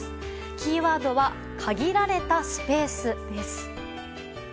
キーワードは限られたスペースです。